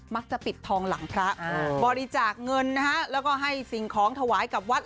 ปิดทองหลังพระบริจาคเงินนะฮะแล้วก็ให้สิ่งของถวายกับวัด